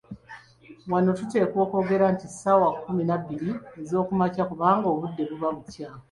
Wano tuteekwa kwogera nti ssaawa kkumi nabbiri ez'okumakya, kubanga obudde buba bukya.